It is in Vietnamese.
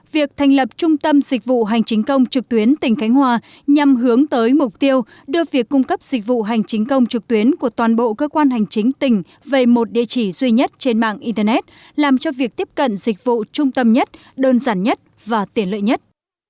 việc thành lập trung tâm dịch vụ hành chính công trực tuyến tỉnh khánh hòa nhằm hướng tới mục tiêu đưa việc cung cấp dịch vụ hành chính công trực tuyến của toàn bộ cơ quan hành chính tỉnh về một địa chỉ duy nhất trên mạng internet làm cho việc tiếp cận dịch vụ trung tâm nhất đơn giản nhất và tiện lợi nhất